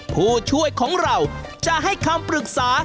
ผู้ช่วยของเราจะให้คำปรึกษา